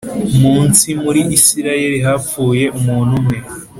munsi muri Isirayeli hapfuye umuntu umwe